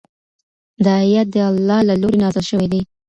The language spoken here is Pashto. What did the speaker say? دا آیت د الله له لوري نازل شوی دی.